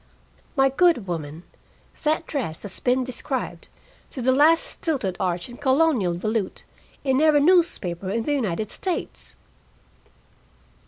"My good woman, that dress has been described, to the last stilted arch and Colonial volute, in every newspaper in the United States!"